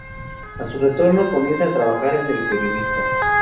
A su retorno, comienza a trabajar en El Periodista.